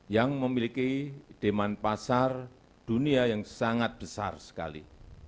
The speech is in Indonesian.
yang memiliki demand pasar dunia yang sangat besar sekali